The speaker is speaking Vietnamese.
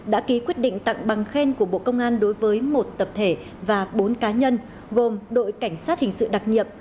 đã ký quyết định tặng bằng khen của bộ công an đối với một tập thể và bốn cá nhân gồm đội cảnh sát hình sự đặc nhiệm